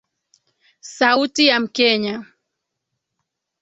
Sauti ya mkenya.